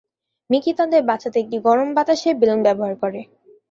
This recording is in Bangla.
মিকি তাদের বাঁচাতে একটি গরম বাতাসের বেলুন ব্যবহার করে।